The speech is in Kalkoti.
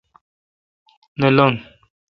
نہ لنگ۔